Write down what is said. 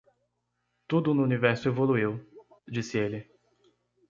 "Tudo no universo evoluiu?", disse ele.